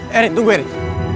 herin tunggu herin